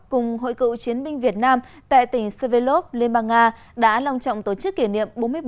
cùng hội cựu chiến binh việt nam tại tỉnh svelov liên bang nga đã long trọng tổ chức kỷ niệm